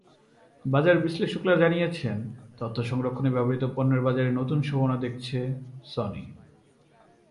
বাজার বিশ্লেষকেরা জানিয়েছেন, তথ্য সংরক্ষণে ব্যবহূত পণ্যের বাজারে নতুন সম্ভাবনা দেখছে সনি।